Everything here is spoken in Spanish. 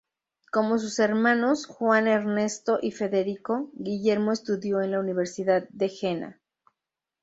Como sus hermanos Juan Ernesto y Federico, Guillermo estudió en la Universidad de Jena.